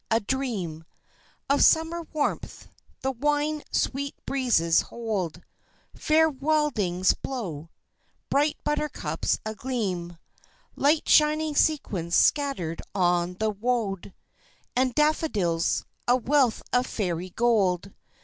A dream Of Summer warmth the wine sweet breezes hold, Fair wildings blow bright buttercups agleam Like shining sequins scattered on the wold, And daffodills a wealth of faery gold.